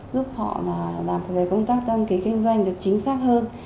giúp họ làm về công tác đăng ký kinh doanh được chính xác hơn